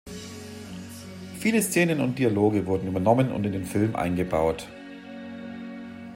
Viele Szenen und Dialoge wurden übernommen und in den Film eingebaut.